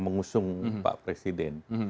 mengusung pak presiden